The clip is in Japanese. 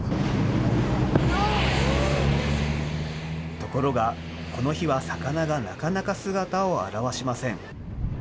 ところが、この日は魚がなかなか姿を現しません。